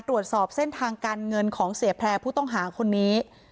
ตรวจสอบเส้นทางการเงินของเสียแพร่ผู้ต้องหาคนนี้